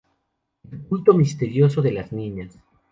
El culto misterioso de las niñas".